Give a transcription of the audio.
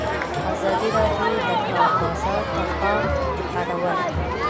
ازادي راډیو د د کار بازار ته پام اړولی.